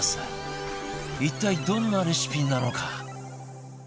一体どんなレシピなのか？